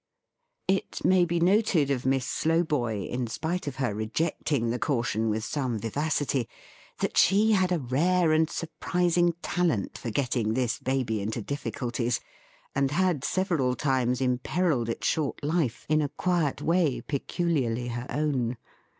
It may be noted of Miss Slowboy, in spite of her rejecting the caution with some vivacity, that she had a rare and surprising talent for getting this Baby into difficulties: and had several times imperilled its short life, in a quiet way peculiarly her own.